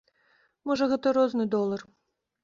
Можа, гэта розны долар.